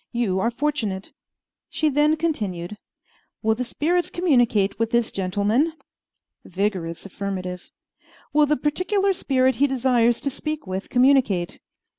"You are fortunate." She then continued, "Will the spirits communicate with this gentleman?" Vigorous affirmative. "Will the particular spirit he desires to speak with communicate?"